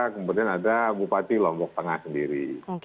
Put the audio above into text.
kemudian ada bupati lombok tengah sendiri